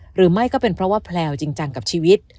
หรือไม่ก็เป็นเพราะว่าแพลวจริงจังกับชีวิต